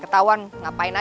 chopnya ga ada apa apa